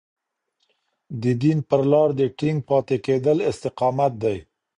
د دين پر لار د ټينګ پاتې کېدل استقامت دی.